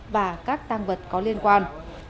và các tang vật có liên quan